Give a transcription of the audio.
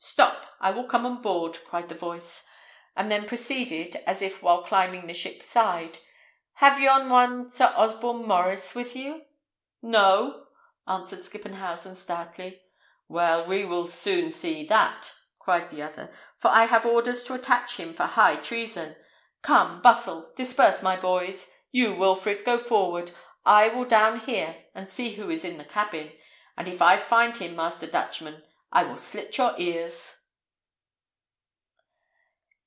"Stop! I will come on board," cried the voice, and then proceeded, as if while climbing the ship's side, "have yon one Sir Osborne Maurice with you?" "No!" answered Skippenhausen, stoutly. "Well, we will soon see that," cried the other; "for I have orders to attach him for high treason. Come, bustle! disperse, my boys! You, Wilfred, go forward; I will down here and see who is in the cabin; and if I find him, Master Dutchman, I will slit your ears."